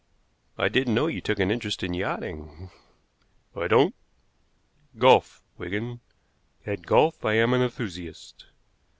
"I didn't know you took an interest in yachting." "I don't. Golf, Wigan! At golf I am an enthusiast.